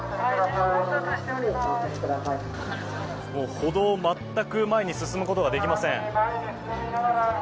歩道を全く前に進むことができません。